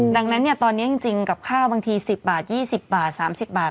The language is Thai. ดังนั้นตอนนี้จริงกับข้าวบางที๑๐บาท๒๐บาท๓๐บาท